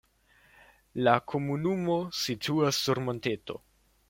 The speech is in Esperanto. La komunumo situas sur monteto.